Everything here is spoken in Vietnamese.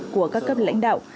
của các cấp lãnh đạo